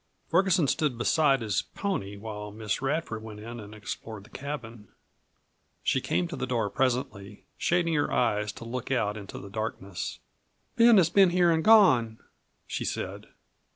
Ferguson stood beside his pony while Miss Radford went in and explored the cabin. She came to the door presently, shading her eyes to look out into the darkness. "Ben has been here and gone," she said.